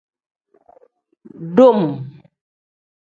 Dum.